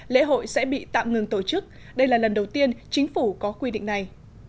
lễ hội sẽ bị tạm ngừng tổ chức đây là lần đầu tiên chính phủ có quy định này